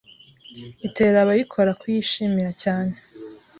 itera abayikora kuyishimira cyane